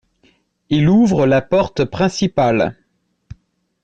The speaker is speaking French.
Il ouvre la porte principale.